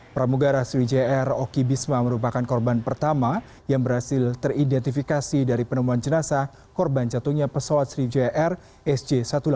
pramugara sriwijaya air oki bisma merupakan korban pertama yang berhasil teridentifikasi dari penemuan jenazah korban jatuhnya pesawat sriwijaya air sj satu ratus delapan puluh